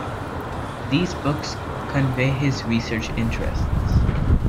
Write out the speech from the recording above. These books convey his research interests.